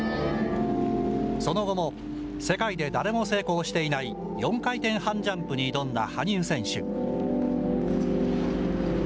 その後も、世界で誰も成功していない４回転半ジャンプに挑んだ羽生選手。